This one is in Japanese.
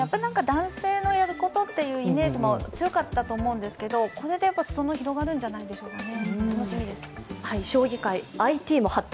男性のやることというイメージも強かったと思うんですが、これで裾の尾広がるんじゃないですかね。